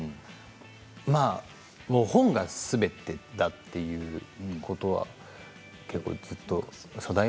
本がすべてだということは結構ずっと。